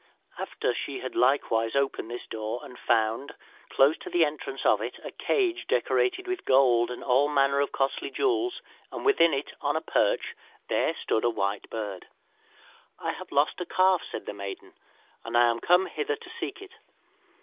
After she had likewise opened this door she found, close to the entrance of it, a cage decorated with gold and all manner of costly jewels, and within it, on a perch, there stood a white bird. "'I have lost a calf,' said the maiden, 'and am come hither to seek it.'